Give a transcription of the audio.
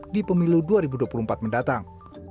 di pemilu dua ribu dua puluh empat mendatang